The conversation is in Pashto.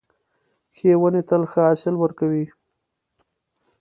ښې ونې تل ښه حاصل ورکوي .